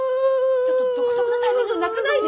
ちょっと独特なタイミングで泣かないで。